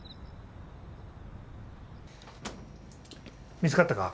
見つかったか？